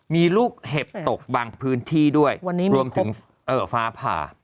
มีลูกเห็บตกบางพื้นที่ด้วยรวมถึงฟ้าผ่า